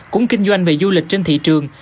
cũng kinh doanh về du lịch trên thị trường